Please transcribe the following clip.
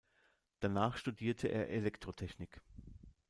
Danach studierte er Elektrotechnik.